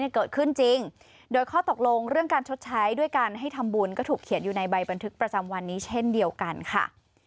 เกิดขึ้นจริงโดยข้อตกลงเรื่องการชดใช้ด้วยการให้ทำบุญก็ถูกเขียนอยู่ในใบบันทึกประจำวันนี้เช่นเดียวกันค่ะ